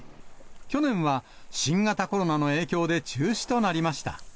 去年は新型コロナの影響で中止となりました。